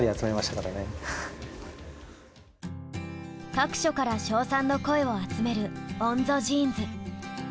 各所から賞賛の声を集めるＯＮＺＯジーンズ。